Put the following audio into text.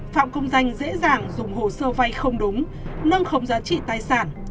phạm công danh dễ dàng dùng hồ sơ vay không đúng nâng khống giá trị tài sản